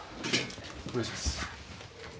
お願いします。